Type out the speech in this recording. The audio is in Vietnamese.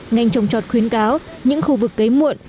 ngành trồng trọt khuyến cáo những khu vực cấy muộn